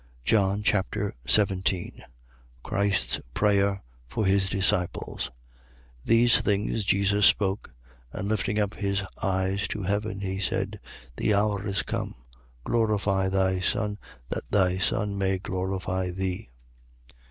John Chapter 17 Christ's prayer for his disciples. 17:1. These things Jesus spoke: and lifting up his eyes to heaven, he said: the hour is come. Glorify thy Son, that thy Son may glorify thee.